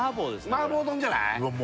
麻婆丼じゃない？